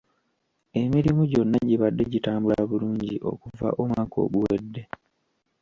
Emirimu gyonna gibadde gitambula bulungi okuva omwaka oguwedde.